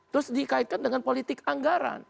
terus dikaitkan dengan politik anggaran